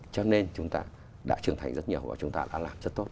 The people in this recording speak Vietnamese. cho nên chúng ta đã trưởng thành rất nhiều và chúng ta đã làm rất tốt